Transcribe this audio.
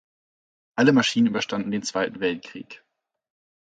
Alle Maschinen überstanden den Zweiten Weltkrieg.